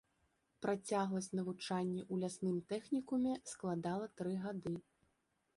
Працягласць навучання ў лясным тэхнікуме складала тры гады.